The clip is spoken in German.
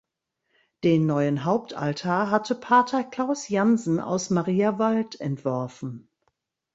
Den neuen Hauptaltar hatte Pater Klaus Jansen aus Mariawald entworfen.